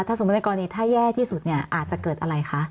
สมมุติในกรณีถ้าแย่ที่สุดเนี่ยอาจจะเกิดอะไรคะ